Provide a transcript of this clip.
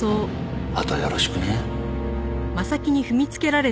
あとよろしくね。